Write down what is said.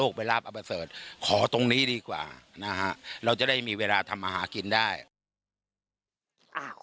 เฉพาะส่วนตัวมากจริงนะคะ